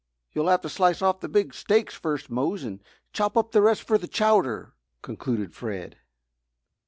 "You'll have to slice off the big steaks first, Mose, and chop up the rest for the chowder," concluded Fred.